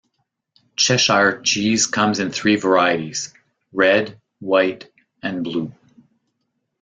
Cheshire cheese comes in three varieties: red, white and blue.